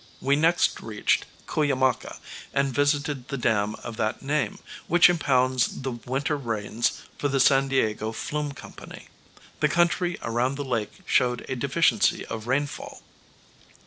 We next reached Cuyamaca and visited the dam of that name, which impounds the winter rains for the San Diego Flume Company. The country around the lake showed a deficiency of rainfall.